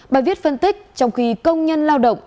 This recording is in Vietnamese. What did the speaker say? bài viết phân tích trong khi công nhân lao động